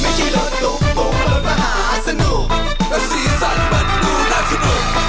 นั่นแหละรถมหาสนุก